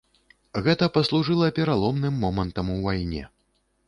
Гэта паслужыла пераломным момантам у вайне.